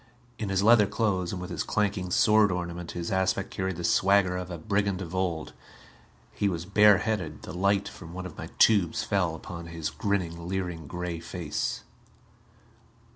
In his leather clothes, and with his clanking sword ornament, his aspect carried the swagger of a brigand of old. He was bare headed; the light from one of my tubes fell upon his grinning, leering gray face.